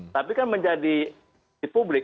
tapi kan menjadi di publik